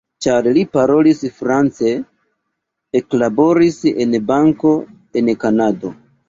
Ĉar li parolis france, eklaboris en banko, en Kanado.